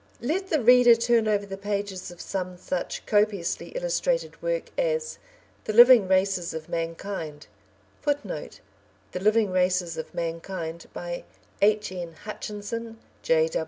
Let the reader turn over the pages of some such copiously illustrated work as The Living Races of Mankind, [Footnote: The Living Races of Mankind, by H. N. Hutchinson, J.